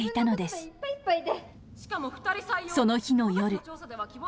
その日の夜。